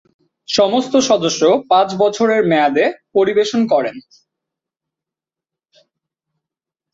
সমস্ত সদস্য পাঁচ বছরের মেয়াদে পরিবেশন করেন।